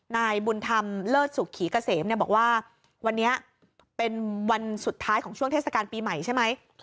นายบุญธรรมเลิศสุขีเกษมบอกว่าวันนี้เป็นวันสุดท้ายของช่วงเทศกาลปีใหม่ใช่ไหม